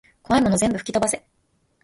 こわいもの全部ふきとばせ